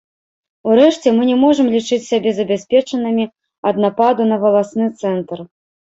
Урэшце мы не можам лічыць сябе забяспечанымі ад нападу на валасны цэнтр.